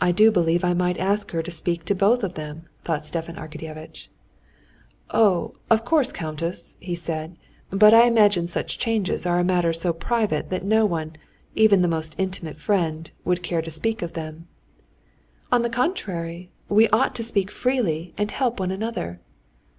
"I do believe I might ask her to speak to both of them," thought Stepan Arkadyevitch. "Oh, of course, countess," he said; "but I imagine such changes are a matter so private that no one, even the most intimate friend, would care to speak of them." "On the contrary! We ought to speak freely and help one another."